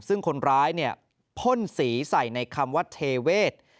ซึ่งคนร้ายพ่นสีใส่ในคำว่าเทเวศ